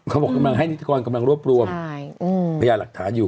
เขาบอกกำลังให้นิตยากรกำลังรวบรวมพยายามหลักฐานอยู่